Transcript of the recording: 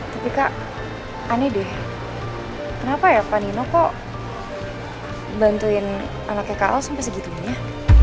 tapi kak aneh deh kenapa ya pak nino kok bantuin anaknya kau sampai segitunya